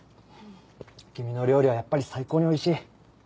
君の料理はやっぱり最高においしい。